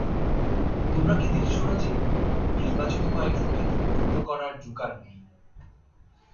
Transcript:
তোমরা কি দেখছ না যে, নির্বাচিত কয়েকজনকে উদ্বুদ্ধ করার যুগ আর নেই।